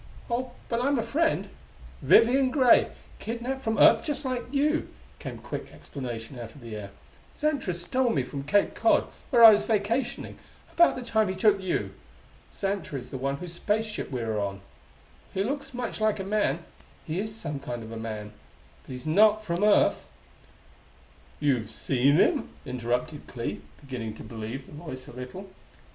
"Oh, but I'm a friend Vivian Gray kidnapped from Earth just like you!" came quick explanation out of the air. "Xantra stole me from Cape Cod, where I was vacationing, about the time he took you. Xantra is the one whose space ship we are on. He looks much like a man; he is some kind of a man; but he's not from Earth " "You've seen him?" interrupted Clee, beginning to believe the Voice a little.